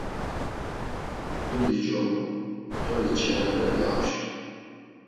Dudi cobu, toli çelambrepe apşu.